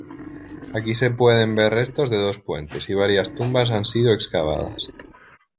Aquí se pueden ver restos de dos puentes, y varias tumbas han sido excavadas.